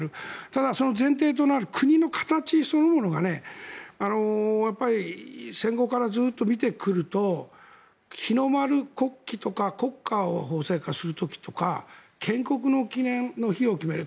ただ、その前提となる国の形そのものがやっぱり戦後からずっと見てくると日の丸国旗とか国家を法制化する時とか建国の記念の日を決める